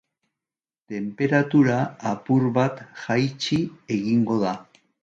Tenperatura apur bat jaitsi egingo da.